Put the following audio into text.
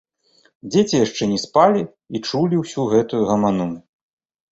Дзеці яшчэ не спалі і чулі ўсю гэтую гаману